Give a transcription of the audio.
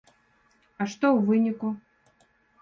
А што ў выніку?